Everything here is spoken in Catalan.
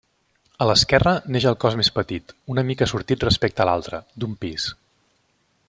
A l'esquerra neix el cos més petit, una mica sortit respecte a l'altre, d'un pis.